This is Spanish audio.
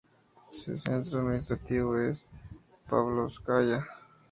Su centro administrativo es Pávlovskaya.